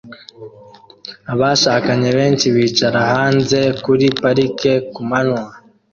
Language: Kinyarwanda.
Abashakanye benshi bicara hanze kuri parike kumanywa